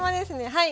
はい。